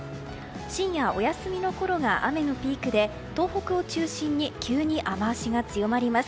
深夜、お休みのころが雨のピークで東北を中心に急に雨脚が強まります。